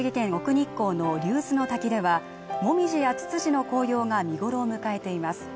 日光の竜頭ノ滝ではモミジやツツジの紅葉が見頃を迎えています